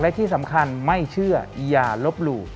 และที่สำคัญไม่เชื่ออย่าลบหลู่